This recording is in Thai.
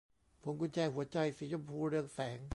พวงกุญแจหัวใจสีชมพูเรืองแสง